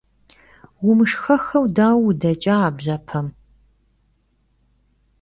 Vumışhexıue daue vudeç'a a bjepem?